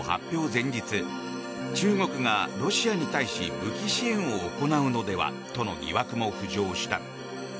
前日中国がロシアに対し武器支援を行うのではとの疑惑も浮上した。